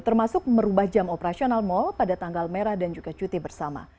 termasuk merubah jam operasional mal pada tanggal merah dan juga cuti bersama